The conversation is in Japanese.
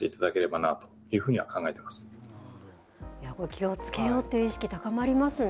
気をつけようという意識高まりますね。